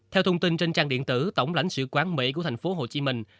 theo thông tin trên trang điện tử tổng lãnh sự quán mỹ của thành phố hồ chí minh